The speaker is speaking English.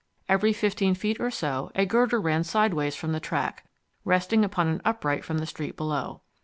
Every fifteen feet or so a girder ran sideways from the track, resting upon an upright from the street below.